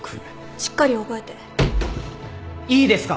しっかり覚えていいですか。